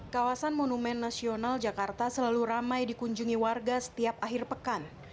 kawasan monumen nasional jakarta selalu ramai dikunjungi warga setiap akhir pekan